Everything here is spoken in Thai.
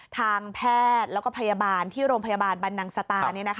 ทางแพทย์แล้วก็พยาบาลที่โรงพยาบาลบรรนังสตา